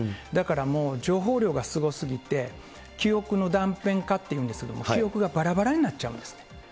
だからもう、情報量がすごすぎて、記憶の断片化っていうんですけど、記憶がばらばらになっちゃうんですね。